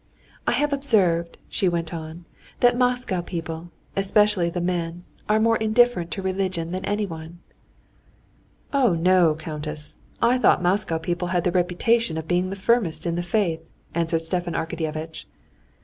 "I have observed," she went on, "that Moscow people, especially the men, are more indifferent to religion than anyone." "Oh, no, countess, I thought Moscow people had the reputation of being the firmest in the faith," answered Stepan Arkadyevitch.